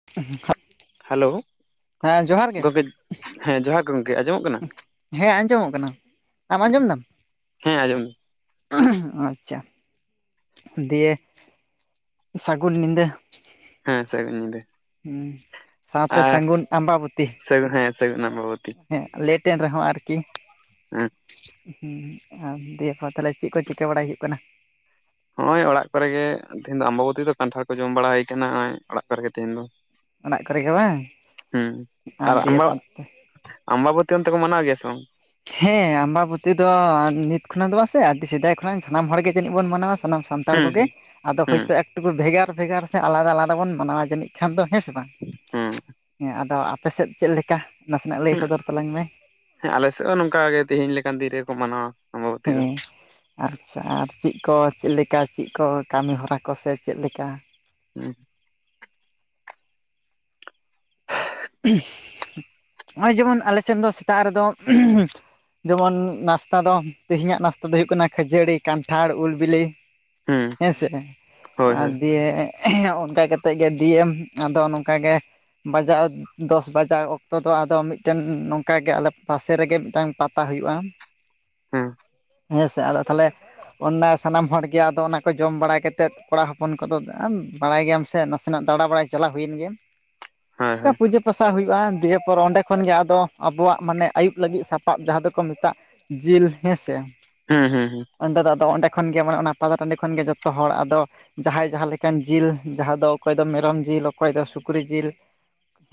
[inaudible] Hello ᱦᱮᱸ ᱡᱚᱦᱟᱨ ᱜᱮ ᱜᱚᱢᱠᱮ ᱦᱮᱸ [unintelligible] ᱡᱚᱦᱟᱨ ᱜᱚᱢᱠᱮ ᱦᱮᱸ ᱟᱸᱡᱚᱢᱚᱜ ᱠᱟᱱᱟ ᱟᱢ ᱟᱸᱡᱚᱢ ᱫᱟᱢ ᱦᱮᱸ ᱟᱸᱡᱚᱢ ᱫᱟᱹᱧ, ᱟᱪᱪᱷᱟ ᱫᱤᱭᱮ ᱥᱟᱹᱜᱩᱱ ᱧᱤᱫᱟᱹ ᱦᱮᱸ ᱥᱟᱹᱜᱩᱱ ᱧᱤᱫᱟᱹ ᱦᱩᱸ ᱥᱟᱶᱛᱮ ᱟᱨ ᱥᱟᱹᱜᱩᱱ ᱟᱢᱵᱟᱵᱚᱛᱤ ᱥᱟᱹᱜᱩᱱ ᱦᱮᱸ ᱥᱟᱹᱜᱩᱱ ᱟᱢᱵᱟᱵᱚᱛᱤ ᱦᱮ ᱞᱮᱴᱮᱱ ᱨᱮᱦᱚᱸ ᱟᱨᱠᱤ ᱟᱪᱪ [inaudible] ᱦᱮᱸ ᱟᱨ ᱫᱤᱭᱮ ᱯᱚᱨ ᱛᱟᱦᱞᱮ ᱪᱮᱫ ᱠᱚ ᱪᱤᱠᱟᱹ ᱵᱟᱲᱟᱭ ᱦᱩᱭᱩᱜ ᱠᱟᱱᱟ ᱱᱚᱜ ᱚᱭ ᱚᱲᱟᱜ ᱠᱚᱨᱮᱜ ᱜᱮ ᱛᱮᱦᱤᱧ ᱫᱚ ᱟᱢᱵᱟᱵᱚᱛᱤ ᱫᱚ ᱠᱟᱱᱴᱷᱟᱲ ᱠᱚ ᱡᱚᱢ ᱵᱟᱲᱟ ᱦᱩᱭ ᱠᱟᱱᱟ ᱱᱚᱜᱼᱚᱭ ᱚᱲᱟᱜ ᱠᱚᱨᱮᱜ ᱜᱮ ᱛᱮᱦᱮᱧ ᱫᱚ ᱚᱲᱟᱜ ᱠᱚᱨᱮ ᱜᱮ ᱵᱟᱝ ᱦᱮᱸ ᱟᱨ ᱫᱤᱭᱮ ᱟᱢᱵᱟ ᱯᱚᱨ ᱟᱢᱵᱟᱵᱚᱛᱤ ᱚᱱᱛᱮ ᱠᱚ ᱢᱟᱱᱟᱣ ᱜᱮᱭᱟ ᱥᱮ ᱵᱟᱝ? ᱦᱮᱸ ᱟᱢᱵᱟᱵᱚᱛᱤ ᱫᱚ ᱱᱤᱛ ᱠᱷᱚᱱᱟᱜ ᱫᱚ ᱵᱟᱝ ᱥᱮ ᱟᱹᱰᱤ ᱥᱮᱫᱟᱭ ᱠᱷᱚᱱᱟᱜ ᱥᱟᱱᱟᱢ ᱦᱚᱲᱜ ᱜᱮ ᱡᱟᱹᱱᱤᱡ ᱵᱚᱱ ᱢᱟᱱᱟᱣᱟ ᱥᱟᱱᱟᱢ ᱥᱟᱱᱛᱟᱲ ᱦᱩᱸ ᱠᱚᱜᱮ ᱦᱩᱸ ᱟᱫᱚ ᱦᱩᱸ ᱦᱚᱭᱛᱚ ᱮᱠᱴᱩᱠᱩ ᱵᱷᱮᱜᱟᱨ ᱵᱷᱮᱜᱟᱨ ᱥᱮ ᱟᱞᱟᱫᱟ ᱟᱞᱟᱫᱟ ᱵᱚᱱ ᱢᱟᱱᱟᱣᱟ ᱡᱟᱹᱱᱤᱡ ᱠᱷᱟᱱ ᱫᱚ ᱦᱮᱸ ᱥᱮ ᱵᱟᱝ ᱦᱩᱸ ᱦᱮᱸ ᱟᱫᱚ ᱟᱯᱮᱥᱮᱫ ᱪᱮᱫ ᱞᱮᱠᱟ ᱱᱟᱥᱮᱱᱟᱜ ᱞᱟᱹᱭ ᱦᱩᱸ ᱥᱚᱫᱚᱨ ᱛᱟᱞᱟᱝ ᱢᱮ? ᱦᱮᱸ ᱟᱞᱮ ᱥᱮᱫ ᱦᱚᱸ ᱱᱚᱝᱠᱟ ᱜᱮ ᱛᱮᱦᱮᱧ ᱞᱮᱠᱟᱱ ᱫᱤᱱ ᱨᱮᱠᱚ ᱢᱟᱱᱟᱣᱟ᱾ ᱟᱢᱵᱟᱵᱚᱛᱤ ᱫᱚ ᱦᱮᱸ ᱟᱪᱪᱷᱟ ᱟᱨ ᱪᱮᱫ ᱠᱚ ᱪᱮᱫ ᱞᱮᱠᱟ ᱪᱮᱫ ᱠᱚ ᱠᱟᱹᱢᱤ ᱦᱚᱨᱟ ᱠᱚ ᱥᱮ ᱪᱮᱫ ᱞᱮᱠᱟ ᱦᱮᱸ ᱱᱚᱜᱼᱚᱭ ᱡᱮᱢᱚᱱ ᱟᱞᱮ ᱥᱮᱱ ᱫᱚ ᱥᱮᱛᱟᱜ ᱨᱮᱫᱚ ᱡᱮᱢᱚᱱ ᱱᱟᱥᱛᱟ ᱫᱚ ᱛᱮᱦᱮᱧᱟᱜ ᱱᱟᱥᱛᱟ ᱫᱚ ᱦᱩᱭᱩᱜ ᱠᱟᱱᱟ ᱠᱷᱟᱹᱡᱟᱹᱲᱤ ᱠᱟᱱᱴᱷᱟᱲ ᱩᱞ ᱵᱤᱞᱤ ᱦᱩᱸ ᱦᱮᱸ ᱥᱮ ᱦᱳᱭ ᱟᱨ ᱦᱳᱭ ᱫᱤᱭᱮ ᱦᱮᱸ, ᱚᱱᱠᱟ ᱠᱟᱛᱮᱜ ᱜᱮ ᱤᱫᱤᱭᱮᱢ ᱟᱫᱚ ᱱᱚᱝᱠᱟᱜᱮ ᱵᱟᱡᱟᱣ ᱫᱚᱥ ᱵᱟᱡᱟᱜ ᱚᱠᱛᱚ ᱫᱚ ᱟᱫᱚ ᱢᱤᱫᱴᱮᱱ ᱱᱚᱝᱠᱟ ᱜᱮ ᱟᱞᱮ ᱯᱟᱥᱮ ᱨᱮᱜᱮ ᱢᱤᱫᱴᱟᱝ ᱯᱟᱛᱟ ᱦᱩᱭᱩᱜᱼᱟ ᱦᱩᱸ ᱦᱮᱸᱥᱮ ᱟᱫᱚ ᱛᱟᱦᱞᱮ ᱩᱱ ᱢᱟ ᱥᱟᱱᱟᱢ ᱦᱚᱲ ᱜᱮ ᱟᱫᱚ ᱚᱱᱟ ᱠᱚ ᱡᱚᱢ ᱵᱟᱲᱟ ᱠᱟᱛᱮᱫ ᱠᱚᱲᱟ ᱦᱚᱯᱚᱱ ᱠᱚᱫᱚ ᱵᱟᱲᱟᱭ ᱜᱮᱭᱟᱢ ᱥᱮ ᱱᱟᱥ ᱥᱮᱱᱟᱜ ᱫᱟᱲᱟ ᱵᱟᱲᱟᱭ ᱪᱟᱞᱟᱣ ᱦᱩᱭᱮᱱ ᱜᱮ ᱦᱮᱸ ᱦᱮᱸ ᱚᱱᱠᱟ ᱯᱩᱡᱟᱹ ᱯᱟᱥᱟ ᱦᱩᱭᱩᱜᱼᱟ ᱫᱤᱭᱮ ᱯᱚᱨ ᱚᱸᱰᱮ ᱠᱷᱚᱱ ᱜᱮ ᱟᱫᱚ ᱟᱵᱚᱣᱟᱜ ᱢᱟᱱᱮ ᱟᱹᱭᱩᱵ ᱞᱟᱹᱜᱤᱫ ᱥᱟᱯᱟᱵ ᱡᱟᱦᱟᱸ ᱫᱚᱠᱚ ᱢᱮᱛᱟᱜ ᱡᱤᱞ ᱦᱮᱸ ᱥᱮ ᱦᱩᱸ ᱦᱩᱸ ᱦᱩᱸ ᱚᱸᱰᱮ ᱫᱚ ᱟᱫᱚ ᱚᱸᱰᱮ ᱠᱷᱚᱱᱜ ᱜᱮ ᱢᱟᱱᱮ ᱚᱱᱟ ᱯᱟᱛᱟ ᱴᱟᱺᱰᱤ ᱠᱷᱚᱱ ᱜᱮ ᱡᱚᱛᱚ ᱦᱚᱲ ᱟᱫᱚ ᱡᱟᱦᱟᱸᱭ ᱡᱟᱦᱟᱸ ᱞᱮᱠᱟᱱ ᱡᱤᱞ ᱡᱟᱦᱟᱸ ᱫᱚ ᱚᱠᱚᱭ ᱫᱚ ᱢᱮᱨᱚᱢ ᱡᱤᱞ, ᱚᱠᱚᱭ ᱫᱚ ᱥᱩᱠᱨᱤ ᱡᱤᱞ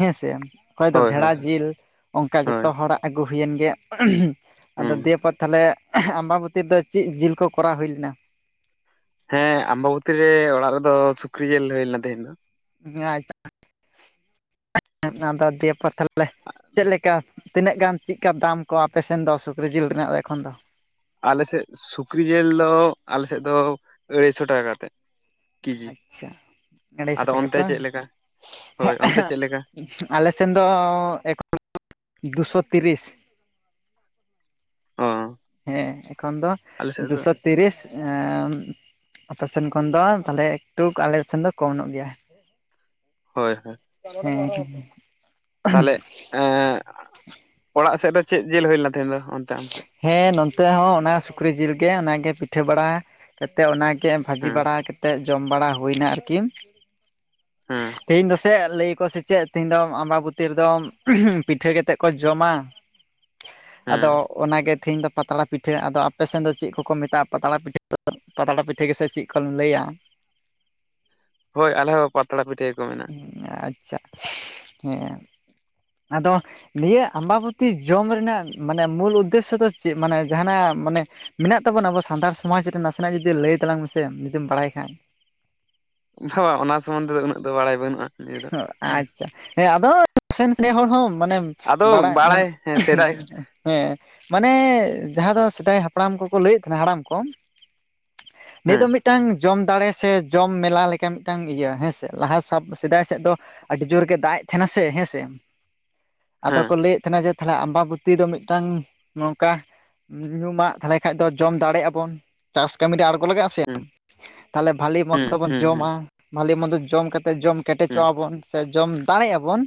ᱦᱮᱸᱥᱮ ᱚᱠᱚᱭ ᱫᱚ ᱦᱳᱭ ᱵᱷᱮᱲᱟ ᱦᱳᱭ ᱡᱤᱞ ᱚᱝᱠᱟ ᱦᱳᱭ ᱡᱚᱛᱚ ᱦᱚᱲᱟᱜ ᱟᱹᱜᱩ ᱦᱩᱭᱮᱱ ᱜᱮ ᱟᱫᱚ ᱦᱩᱸ ᱫᱤᱭᱮᱯᱚᱨ ᱛᱟᱦᱞᱮ ᱟᱢᱵᱟᱵᱚᱛᱤ ᱨᱮᱫᱚ ᱪᱮᱫ ᱡᱤᱞ ᱠᱚ ᱠᱚᱨᱟᱣ ᱦᱩᱭ ᱞᱮᱱᱟ ᱦᱮᱸ ᱟᱢᱵᱟᱵᱚᱛᱤ ᱨᱮ ᱚᱲᱟᱜ ᱨᱮᱫᱚ ᱥᱩᱠᱨᱤ ᱡᱤᱞ ᱦᱩᱭ ᱞᱮᱱᱟ ᱛᱮᱦᱮᱧ ᱫᱚ᱾ ᱦᱮᱸ, ᱟᱪᱪᱷᱟ᱾ ᱟᱫᱚ ᱫᱤᱭᱮ ᱯᱚᱨ ᱛᱟᱦᱞᱮ ᱪᱮᱫ ᱞᱮᱠᱟ ᱛᱤᱱᱟᱹᱜ ᱜᱟᱱ ᱪᱮᱫᱠᱟ ᱫᱟᱢ ᱠᱚ ᱟᱯᱮ ᱥᱮᱱ ᱫᱚ ᱥᱩᱠᱨᱤ ᱡᱤᱞ ᱨᱮᱱᱟᱜ ᱫᱚ ᱮᱠᱷᱚᱱ ᱫᱚ? ᱟᱞᱮᱥᱮᱫ ᱥᱩᱠᱨᱤ ᱡᱤᱞ ᱫᱚ ᱟᱞᱮᱥᱮᱫ ᱫᱚ ᱟᱹᱲᱟᱹᱭᱥᱚ ᱴᱟᱠᱟ ᱠᱟᱛᱮᱫ ᱠᱤᱡᱤ᱾ ᱟᱪᱪᱷᱟ ᱟᱲᱟᱭᱥᱚ ᱟᱫᱚ ᱴᱟᱠᱟ ᱚᱱᱛᱮ ᱛᱚ ᱵᱟᱝ ᱪᱮᱫ ᱞᱮᱠᱟ ᱦᱳᱭ ᱦᱮᱸ ᱚᱱᱛᱮ ᱪᱮᱫ ᱞᱮᱠᱟ? ᱟᱞᱮ ᱥᱮᱱ ᱫᱚ ᱮᱠᱷᱚᱱ ᱫᱩᱥᱚ ᱛᱤᱨᱤᱥ᱾ ᱚ ᱦᱮᱸ ᱮᱠᱷᱚᱱ ᱫᱚ ᱟᱞᱮ ᱥᱮᱫ ᱫᱚ ᱫᱩᱥᱚ ᱛᱤᱨᱤᱥ, ᱮᱸᱻ ᱚᱯᱮᱥᱮᱱ ᱠᱷᱚᱱ ᱫᱚ ᱛᱟᱦᱞᱮ ᱮᱠᱴᱩ ᱟᱞᱮ ᱥᱮᱱ ᱫᱚ ᱠᱚᱢ ᱧᱚᱜ ᱜᱮᱭᱟ ᱦᱳᱭ ᱦᱳᱭ ᱦᱩᱸ ᱦᱩᱸ ᱦᱩᱸ ᱛᱟᱦᱞᱮ ᱮᱸᱜ ᱚᱲᱟᱜ ᱥᱮᱫ ᱫᱚ ᱪᱮᱫ ᱡᱤᱞ ᱦᱩᱭ ᱞᱮᱱᱟ ᱛᱮᱦᱮᱧ ᱫᱚ ᱚᱱᱛᱮ ᱟᱢ ᱥᱮᱫ? ᱦᱮᱸ ᱱᱚᱱᱛᱮ ᱦᱚᱸ ᱚᱱᱟ ᱥᱩᱠᱨᱤ ᱡᱤᱞ ᱜᱮ ᱚᱱᱟᱜᱮ ᱯᱤᱴᱷᱟᱹ ᱵᱟᱲᱟ᱾ ᱠᱟᱛᱮᱜ ᱚᱱᱟᱜᱮ ᱵᱷᱟᱹᱡᱤ ᱦᱮᱸ ᱵᱟᱲᱟ ᱠᱟᱛᱮᱜ ᱡᱚᱢ ᱵᱟᱲᱟ ᱦᱩᱭᱱᱟ ᱟᱨᱠᱤ᱾ ᱦᱮᱸ ᱛᱤᱦᱤᱧ ᱫᱚᱥᱮ ᱞᱟᱹᱭᱟᱠᱚ ᱥᱮ ᱪᱮᱫ ᱛᱤᱦᱤᱧ ᱫᱚ ᱟᱢᱵᱟᱵᱛᱤᱤ ᱨᱮᱫᱚ ᱯᱤᱴᱷᱟᱹ ᱠᱟᱛᱮᱫ ᱠᱚ ᱡᱚᱢᱟ᱾ ᱟᱫᱚ ᱦᱮᱸ ᱚᱱᱟᱜᱮ ᱛᱤᱦᱤᱧ ᱫᱚ ᱯᱟᱛᱲᱟ ᱯᱤᱴᱷᱟᱹ ᱟᱫᱚ ᱟᱯᱮᱥᱮᱱ ᱫᱚ ᱪᱮᱫ ᱠᱚᱠᱚ ᱢᱮᱛᱟᱜᱼᱟ ᱯᱟᱛᱲᱟ ᱯᱤᱴᱷᱟᱹ? ᱯᱟᱛᱲᱟ ᱯᱤᱴᱷᱟᱹ ᱜᱮᱥᱮ ᱪᱮᱫ ᱠᱚ ᱞᱟᱹᱭᱟ? ᱦᱳᱭ ᱟᱞᱮ ᱦᱚᱸ ᱯᱟᱛᱲᱟ ᱯᱤᱴᱷᱟ. ᱜᱮᱠᱚ ᱢᱮᱱ ᱟᱪᱪᱷᱟ ᱦᱮᱸ ᱟᱫᱚ ᱱᱤᱭᱟᱹ ᱟᱢᱵᱟᱵᱚᱛᱤ ᱡᱚᱢ ᱨᱮᱱᱟᱜ ᱢᱟᱱᱮ ᱢᱩᱞ ᱩᱫᱽᱫᱮᱥᱥᱚ ᱫᱚ ᱪᱮᱫ ᱢᱟᱱᱮ ᱡᱟᱸᱦᱟᱱᱟᱜ ᱢᱟᱱᱮ ᱢᱮᱱᱟᱜ ᱛᱟᱵᱚᱱᱟ ᱟᱵᱚ ᱥᱟᱱᱛᱟᱲ ᱥᱚᱢᱟᱡᱽ ᱨᱮ ᱱᱟᱥᱮᱱᱟᱜ ᱡᱩᱫᱤ ᱞᱟᱹᱭ ᱛᱟᱞᱟᱝ ᱢᱮᱥᱮ ᱡᱩᱫᱤᱢ ᱵᱟᱲᱟᱭ ᱠᱷᱟᱱ ᱵᱟ, ᱚᱱᱟ ᱥᱚᱢᱵᱚᱱᱫᱷᱮ ᱫᱚ ᱩᱱᱟᱹᱜ ᱫᱚ ᱵᱟᱲᱟᱭ ᱵᱟᱹᱱᱩᱜᱼᱟ᱾ ᱱᱤᱭᱟᱹ ᱫᱚ ᱟᱪᱪᱷᱟ ᱦᱮᱸ ᱟᱫᱚ ᱥᱮᱱᱥ ᱦᱚᱲ ᱦᱚᱸ ᱢᱟᱱᱮ ᱵᱟᱲᱟᱭ ᱢᱟᱱᱮ ᱦᱮᱸ ᱢᱟᱱᱮ ᱡᱟᱦᱟᱸ ᱫᱚ ᱥᱮᱫᱟᱭ ᱦᱟᱯᱲᱟᱢ ᱠᱚᱠᱚ ᱞᱟᱹᱭᱮᱫ ᱛᱟᱦᱮᱱᱟ ᱦᱟᱲᱟᱢ ᱠᱚ ᱱᱤᱛ ᱦᱮᱸ ᱫᱚ ᱢᱤᱫᱴᱟᱝ ᱡᱚᱢ ᱫᱟᱲᱮ ᱥᱮ ᱡᱚᱢ ᱢᱮᱞᱟ ᱞᱮᱠᱟ ᱢᱤᱫᱴᱟᱝ ᱤᱭᱟᱹ ᱦᱮᱸᱥᱮ ᱞᱟᱦᱟ ᱥᱟᱵ ᱥᱮᱫᱟᱭ ᱥᱮᱫ ᱫᱚ ᱟᱹᱰᱤ ᱡᱳᱨ ᱜᱮ ᱫᱟᱜ ᱮᱫ ᱛᱟᱦᱮᱱᱟ ᱥᱮ ᱦᱮᱸ ᱥᱮ, ᱟᱫᱚ ᱦᱮᱸ ᱠᱚ ᱞᱟᱹᱭᱮᱫ ᱛᱟᱦᱮᱱᱟ ᱡᱮ ᱛᱟᱦᱞᱮ ᱟᱢᱵᱟᱵᱛᱤ ᱫᱚ ᱢᱤᱫᱴᱟᱝ ᱱᱚᱝᱠᱟ ᱧᱩᱢᱟᱜ ᱛᱟᱦᱞᱮ ᱠᱷᱟᱡ ᱫᱚ ᱡᱚᱢ ᱫᱟᱲᱮᱜ-ᱟ ᱵᱚᱱ ᱪᱟᱥ ᱠᱟᱹᱢᱤ ᱨᱮ ᱟᱬᱜᱚ ᱞᱟᱜᱟᱜᱼᱟ ᱥᱮ ᱦᱮᱸ ᱛᱟᱦᱞᱮ ᱵᱷᱟᱞᱤ ᱦᱮᱸ ᱢᱚᱱᱫᱚ ᱦᱮᱸ ᱵᱚᱱ ᱦᱮᱸ ᱡᱚᱢᱟ᱾ ᱦᱮᱸ ᱵᱷᱟᱞᱤ ᱢᱚᱱᱫᱚ ᱡᱚᱢ ᱠᱟᱛᱮ ᱡᱚᱢ ᱦᱮᱸ ᱠᱮᱴᱮᱡᱚᱜᱼᱟ ᱵᱚᱱ ᱥᱮ ᱡᱚᱢ ᱫᱟᱲᱮᱜ-ᱟ ᱵᱚᱱ᱾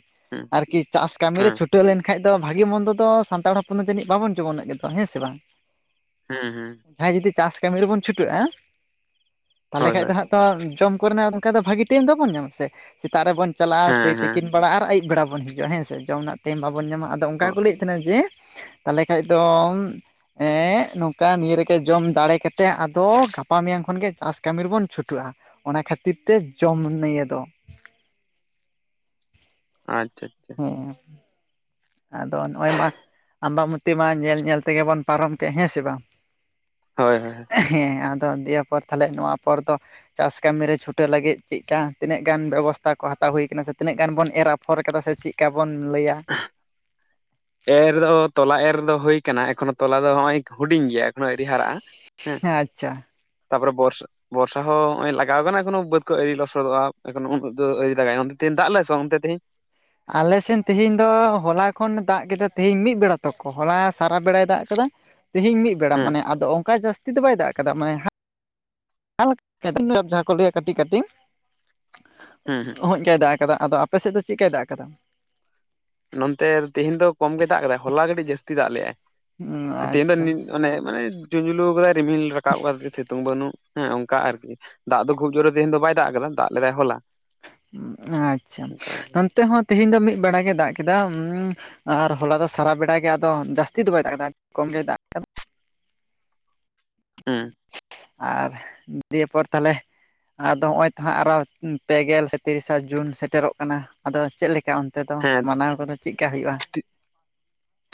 ᱟᱨᱠᱤ ᱪᱟᱥ ᱠᱟᱹᱢᱤ ᱨᱮ ᱦᱮᱸ ᱪᱷᱩᱴᱟᱹᱣ ᱞᱮᱱᱠᱷᱟ ᱵᱟᱠᱷᱟᱡ ᱫᱚ ᱵᱷᱟᱹᱜᱤ ᱢᱚᱱᱫᱚ ᱫᱚ ᱥᱟᱱᱛᱟᱲ ᱦᱚᱯᱚᱱ ᱫᱚ ᱡᱟᱹᱱᱤᱡ ᱵᱟᱵᱚᱱ ᱡᱚᱢᱟ ᱩᱱᱟᱹᱜ ᱡᱤᱞ ᱫᱚ ᱦᱮᱸ ᱥᱮ ᱵᱟᱝ? ᱦᱩᱸ ᱦᱩᱸ ᱡᱟᱦᱟᱸᱭ ᱡᱩᱫᱤ ᱪᱟᱥ ᱠᱟᱹᱢᱤ ᱨᱮᱵᱚᱱ ᱪᱷᱩᱴᱟᱹᱜᱼᱟ ᱛᱟᱦᱞᱮ ᱦᱳᱭ ᱠᱷᱟᱡ ᱦᱳᱭ ᱫᱚ ᱦᱟᱸᱜ ᱡᱚᱢ ᱠᱚᱨᱮᱱᱟᱜ ᱚᱱᱠᱟ ᱫᱚ ᱵᱷᱟᱜᱤ ᱴᱟᱭᱤᱢ ᱫᱚᱵᱚᱱ ᱧᱟᱢᱟ ᱥᱮ ᱥᱮᱛᱟᱜ ᱨᱮᱵᱚᱱ ᱪᱟᱞᱟᱜᱼᱟ ᱥᱮᱭ ᱦᱮᱸ ᱦᱮᱸ ᱛᱤᱠᱤᱱ ᱵᱮᱲᱟ ᱟᱨ ᱟᱹᱭᱩᱵ ᱵᱮᱲᱟᱵᱚᱱ ᱦᱤᱡᱩᱜᱼᱟ ᱦᱮᱸᱥᱮ ᱡᱚᱢ ᱨᱮᱱᱟᱜ ᱴᱟᱭᱤᱢ ᱵᱟᱵᱚᱱ ᱧᱟᱢᱟ᱾ ᱟᱫᱚ ᱚᱱᱠᱟ ᱚ ᱜᱮ ᱠᱚ ᱞᱟᱹᱭᱮᱫ ᱛᱟᱦᱮᱱᱟ ᱡᱮ ᱛᱟᱦᱚᱞᱮ ᱠᱷᱟᱱ ᱫᱚ ᱮ ᱱᱚᱝᱠᱟ ᱱᱤᱭᱟᱹ ᱨᱮᱜᱮ ᱡᱚᱢ ᱫᱟᱲᱮ ᱠᱟᱛᱮᱫ ᱟᱫᱚ ᱜᱟᱯᱟ ᱢᱮᱭᱟᱝ ᱠᱷᱚᱱᱜᱮ ᱪᱟᱥ ᱠᱟᱹᱢᱤ ᱨᱮᱵᱚᱱ ᱪᱷᱩᱴᱟᱹᱜᱼᱟ ᱾ ᱚᱱᱟ ᱠᱷᱟᱹᱛᱤᱨ ᱛᱮ ᱡᱚᱢ ᱱᱤᱭ ᱫᱚ ᱟᱪᱪᱷᱟ ᱟᱪᱪᱷᱟ [unintelligible] ᱟᱫᱚ ᱱᱚᱜᱼᱚᱭ ᱢᱟ ᱟᱢᱵᱟᱢᱚᱛᱤ ᱢᱟ ᱧᱮᱞ ᱧᱮᱞ ᱛᱮᱜᱮ ᱵᱚᱱ ᱯᱟᱨᱚᱢ ᱠᱮᱫᱼᱟ ᱦᱮᱸ ᱥᱮ ᱵᱟᱝ ᱦᱳᱭ ᱦᱳᱭ ᱦᱮᱸ ᱟᱫᱚ ᱫᱤᱭᱮ ᱯᱚᱨ ᱛᱟᱦᱚᱞᱮ ᱱᱚᱣᱟ ᱯᱚᱨ ᱫᱚ ᱪᱟᱥ ᱠᱟᱹᱢᱤᱨᱮ ᱪᱷᱩᱴᱟᱹ ᱞᱟᱹᱜᱤᱫ ᱪᱮᱫ ᱞᱮᱠᱟ ᱛᱤᱱᱟᱹᱜ ᱜᱟᱱ ᱵᱮᱵᱚᱥᱛᱷᱟ ᱠᱚ ᱦᱟᱛᱟᱣ ᱦᱩᱭ ᱠᱟᱱᱟ ᱥᱮ ᱛᱤᱱᱟᱹᱜ ᱜᱟᱱ ᱵᱚᱱ ᱮᱨᱟ ᱯᱷᱳᱱ ᱠᱟᱫᱟ ᱥᱮ ᱪᱮᱫ ᱞᱮᱠᱟ ᱵᱚᱱ ᱞᱟᱹᱭᱟ? [unintelligible] ᱮᱨ ᱫᱚ ᱛᱚᱞᱟ ᱮᱨ ᱫᱚ ᱦᱩᱭ ᱠᱟᱱᱟ ᱮᱠᱷᱚᱱᱳ ᱛᱚᱞᱟ ᱫᱚ ᱱᱚᱜᱼᱚᱭ ᱦᱩᱰᱤᱧ ᱜᱮᱭᱟ᱾ ᱱᱚᱜᱼᱚᱭ ᱟᱦᱨᱤ ᱦᱟᱨᱟᱜᱼᱟ ᱦᱮᱸ ᱟᱪᱪᱷᱟ ᱛᱟᱯᱚᱨᱮ ᱵᱚᱨᱥᱟ ᱵᱚᱨᱥᱟ ᱦᱚᱸ ᱱᱚᱜᱼᱚᱭ ᱞᱟᱜᱟᱣ ᱟᱠᱟᱱᱟ ᱮᱠᱷᱚᱱᱳ ᱵᱟᱹᱫᱽ ᱠᱚ ᱟᱣᱮ ᱞᱚᱥᱚᱫᱚᱜᱼᱟ ᱮᱠᱷᱚᱱ ᱩᱹᱜ ᱫᱚ ᱟᱣᱨᱤ ᱫᱟᱜᱽᱟᱭ ᱚᱱᱛᱮ ᱛᱮᱦᱮᱧ ᱫᱟᱜᱽ ᱞᱮ ᱟᱭ ᱥᱮ ᱵᱟᱝ ᱚᱱᱛᱮ ᱛᱮᱦᱤᱧ ᱟᱞᱮᱥᱮᱱ ᱛᱮᱦᱮᱧ ᱫᱚ ᱦᱚᱞᱟ ᱠᱷᱚᱱ ᱫᱟᱜᱽ ᱠᱮᱫᱟ ᱛᱤᱦᱮᱧ ᱢᱤᱫ ᱵᱮᱲᱟ ᱛᱚᱠᱷᱚ ᱦᱚᱞᱟ ᱥᱟᱨᱟ ᱵᱮᱲᱟᱭ ᱫᱟᱜᱽ ᱠᱟᱫᱟ᱾ ᱛᱤᱦᱤᱧ ᱢᱤᱫ ᱵᱮᱲᱟ ᱦᱮᱸ ᱢᱟᱱᱮ ᱟᱫᱚ ᱚᱱᱠᱟ ᱡᱟᱹᱥᱛᱤ ᱫᱚ ᱵᱟᱭ ᱫᱟᱜᱽ ᱠᱟᱫᱟ ᱢᱟᱱᱮ [unintelligible] ᱡᱟᱦᱟᱸ ᱠᱚ ᱞᱟᱹᱭᱟ ᱠᱟᱹᱴᱤᱡᱽ ᱠᱟᱹᱴᱤᱡᱽ ᱦᱩᱸ ᱦᱩᱸ ᱢᱚᱡᱽ ᱜᱮ ᱫᱟᱜᱽ ᱟᱠᱟᱫᱟ ᱟᱫᱚ ᱟᱯᱮᱥᱮᱫ ᱫᱚ ᱪᱮᱫᱠᱟᱭ ᱫᱟᱜᱽ ᱟᱠᱟᱫᱟ? ᱱᱚᱱᱛᱮ ᱛᱮᱦᱤᱧ ᱫᱚ ᱠᱚᱢ ᱜᱮᱭ ᱫᱟᱜᱽ ᱠᱟᱫᱟᱭ ᱦᱚᱞᱟ ᱠᱟᱹᱴᱤᱡᱽ ᱡᱟᱹᱥᱛᱤ ᱫᱟᱜᱽ ᱞᱮᱫᱜᱟᱭ ᱩᱸ ᱛᱮᱦᱮᱧ ᱫᱚ ᱟᱪᱪᱷᱟ ᱚᱱᱮ ᱢᱟᱱᱮ ᱡᱩᱡᱩᱞᱩ ᱟᱠᱟᱫ ᱨᱤᱢᱦᱤᱞ ᱨᱟᱠᱟᱵ ᱠᱟᱛᱮ ᱥᱤᱛᱩᱝ ᱵᱟᱹᱱᱩᱜ ᱦᱮᱸ ᱚᱱᱠᱟ ᱟᱨᱠᱤ ᱫᱟᱜᱽ ᱫᱚ ᱠᱷᱩᱵ ᱡᱳᱨᱮ ᱛᱮᱦᱮ ᱫᱚ ᱵᱟᱭ ᱫᱟᱜᱽ ᱠᱟᱫᱟ ᱫᱟᱜᱽ ᱞᱮᱫᱟᱭ ᱦᱚᱞᱟ ᱟᱪᱪᱷᱟ ᱚᱱᱠᱟ ᱱᱚᱱᱛᱮ ᱦᱚᱸ ᱛᱮᱤᱦᱤᱧ ᱫᱚ ᱢᱤᱫ ᱵᱮᱲᱟᱮ ᱫᱟᱜᱽ ᱠᱮᱫᱟ ᱟᱨ ᱦᱚᱞᱟ ᱫᱚ ᱥᱟᱨᱟ ᱵᱮᱲ ᱜᱮ ᱟᱫᱚ ᱡᱟᱹᱥᱛᱤ ᱫᱚ ᱵᱟᱭ ᱫᱟᱜᱽ ᱠᱮᱫᱟ ᱠᱚᱢ ᱜᱮ ᱫᱟ ᱦᱩᱸ ᱟᱨ ᱫᱤᱭᱮ ᱯᱚᱨ ᱛᱟᱦᱞᱮ ᱟᱫᱚ ᱱᱚᱜᱼᱚᱭ ᱛᱚ ᱦᱟᱸᱜ ᱟᱨᱚ ᱯᱮᱜᱮᱞ ᱥᱮ ᱛᱤᱨᱤᱥᱟ ᱡᱩᱱ ᱥᱮᱴᱮᱨᱚᱜ ᱠᱟᱱᱟ ᱟᱫᱚ ᱪᱮᱫᱠᱟ ᱚᱱ ᱛᱮᱹ ᱫᱚ ᱦᱮᱸ ᱢᱟᱱᱟᱣ ᱠᱚᱫᱚ ᱪᱮᱫᱠᱟ ᱦᱩᱭᱩᱜᱼᱟ?